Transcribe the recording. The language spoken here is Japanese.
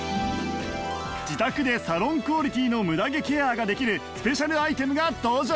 自宅でサロンクオリティーのムダ毛ケアができるスペシャルアイテムが登場！